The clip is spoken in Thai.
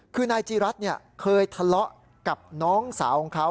คือนายจีรัฐเคยทะเลาะกับน้องสาวของเขา